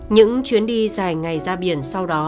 những chuyến đi dài ngày ra biển sau đó